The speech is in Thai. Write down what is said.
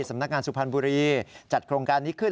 สำนักงานสุพรรณบุรีจัดโครงการนี้ขึ้น